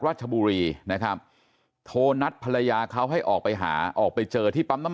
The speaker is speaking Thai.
ราชบุรีนะครับโทรนัดภรรยาเขาให้ออกไปหาออกไปเจอที่ปั๊มน้ำ